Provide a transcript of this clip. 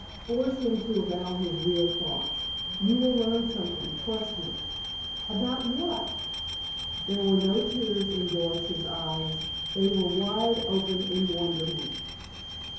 Force him to avow his real thoughts. You will learn something, trust me." "About what?" There were no tears in Doris's eyes. They were wide open in wonderment.